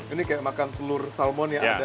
ini kayak makan telur salmon yang ada toping